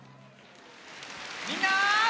みんな。